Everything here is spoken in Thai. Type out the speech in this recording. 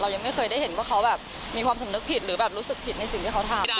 ยังไม่เคยได้เห็นว่าเขาแบบมีความสำนึกผิดหรือแบบรู้สึกผิดในสิ่งที่เขาทำ